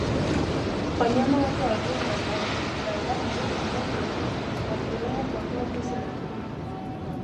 Wanyama wote walio na damu moto wakiwemo kondoo mbuzi punda